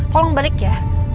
tolong balik ya